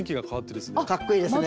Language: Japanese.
かっこいいですね！